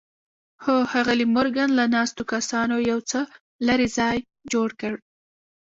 خو ښاغلي مورګان له ناستو کسانو یو څه لرې ځای جوړ کړ